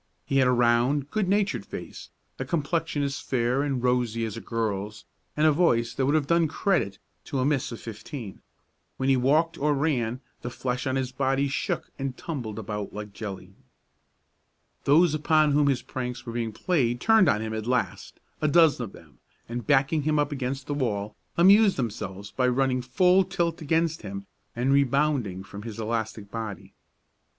He had a round, good natured face, a complexion as fair and rosy as a girl's, and a voice that would have done credit to a miss of fifteen. When he walked or ran, the flesh on his body shook and tumbled about like jelly. Those upon whom his pranks were being played turned on him at last, a dozen of them, and backing him up against the wall, amused themselves by running full tilt against him and rebounding from his elastic body.